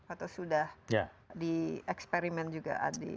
atau sudah di eksperimen juga